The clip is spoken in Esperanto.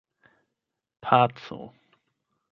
paco